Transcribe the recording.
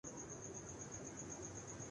بچوں کے انٹرنیٹ کے استعمال کا جائزہ لیا گیا